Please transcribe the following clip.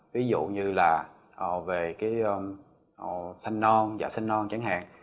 ví dụ như là về cái sanh non dạ sanh non chẳng hạn